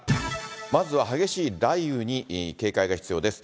まずは激しい雷雨に警戒が必要です。